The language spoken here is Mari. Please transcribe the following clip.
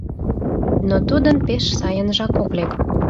Но тудын пеш сайынжак ок лек.